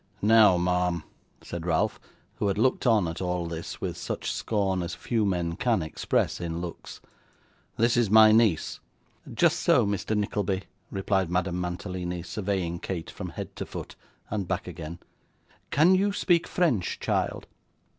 'Now, ma'am,' said Ralph, who had looked on, at all this, with such scorn as few men can express in looks, 'this is my niece.' 'Just so, Mr. Nickleby,' replied Madame Mantalini, surveying Kate from head to foot, and back again. 'Can you speak French, child?